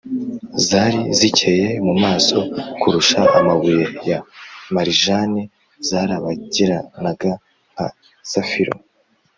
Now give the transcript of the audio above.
Zari zikeye mu maso kurusha amabuye ya marijani, Zarabagiranaga nka safiro.